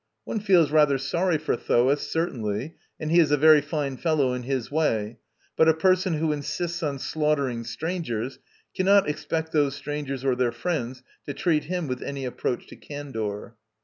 One feels rather sorry for Thoas, certainly, and he is a very fine fellow in his way; but a person who insists on slaughtering strangers cannot expect those strangers or their friends to treat him with any approach to candour.